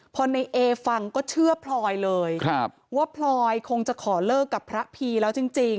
พอในเอฟังก็เชื่อพลอยเลยว่าพลอยคงจะขอเลิกกับพระพีแล้วจริง